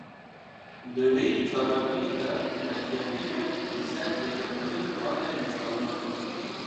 Di vê çalakiyê de belgefilmek li ser Cegerxwîn hate nîşandan